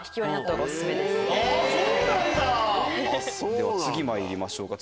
では次まいりましょうか。